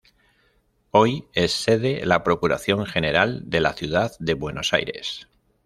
Hoy es sede la Procuración General de la Ciudad de Buenos Aires.